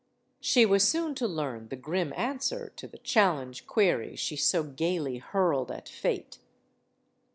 She was soon to learn the grim answer to the challenge query she so gayly hurled at fate.